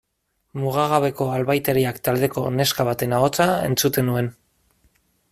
Mugagabeko Albaitariak taldeko neska baten ahotsa entzuten nuen.